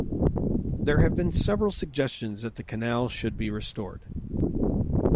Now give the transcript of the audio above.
There have been several suggestions that the canal should be restored.